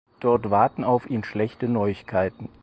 Dort warten auf ihn schlechte Neuigkeiten.